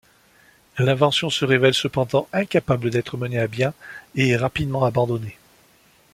L'invention se révèle, cependant incapable d'être menée à bien et est rapidement abandonnée.